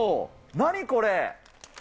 何これ。